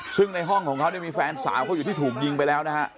ซึ่งในห้องของเขาเนี่ยมีแฟนสาวเขาอยู่ที่ถูกยิงไปแล้วนะฮะ